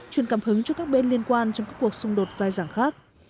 truyền cảm hứng cho các bên liên quan trong các cuộc xung đột dài dàng khác